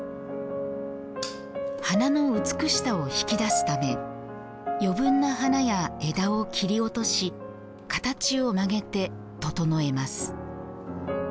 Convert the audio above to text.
花の美しさを引き出すため余分な花や枝を切り落とし形を曲げて整えます。